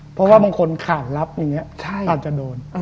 เพราะว่าบางคนขานรับอาจจะโดน